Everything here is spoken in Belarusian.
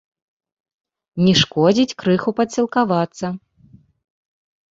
Не шкодзіць крыху падсілкавацца.